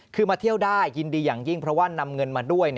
คือมาเที่ยวได้ยินดีอย่างยิ่งเพราะว่านำเงินมาด้วย